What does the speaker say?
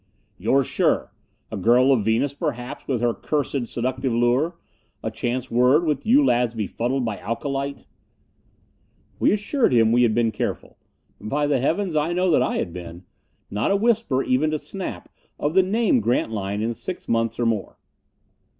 "You're sure? A girl of Venus, perhaps, with her cursed, seductive lure! A chance word, with you lads befuddled by alcolite?" We assured him we had been careful. By the heavens, I know that I had been. Not a whisper, even to Snap, of the name Grantline in six months or more.